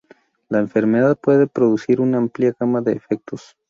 La enfermedad puede producir una amplia gama de efectos.